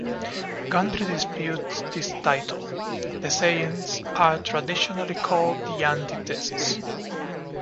Gundry disputes this title: The sayings are traditionally called 'the Antitheses'.